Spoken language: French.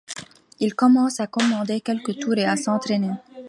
Il commence à commander quelques tours et à s'entraîner.